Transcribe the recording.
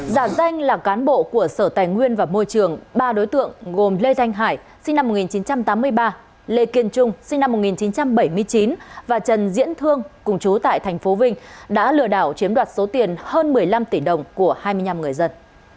giả danh là cán bộ của sở tài nguyên và môi trường ba đối tượng gồm lê thanh hải sinh năm một nghìn chín trăm tám mươi ba lê kiên trung sinh năm một nghìn chín trăm bảy mươi chín và trần diễn thương cùng chú tại tp vinh đã lừa đảo chiếm đoạt số tiền hơn một mươi năm tỷ đồng của hai mươi năm người dân